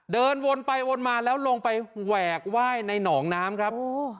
เดินวนไปวนมาแล้วลงไปแหวกไหว้ในหนองน้ำครับ